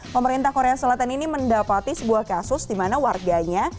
pemerintah korea selatan ini mendapati sebuah kasus di mana warganya